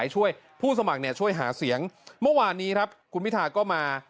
หมอวาณีครับคุณวิธาก็มา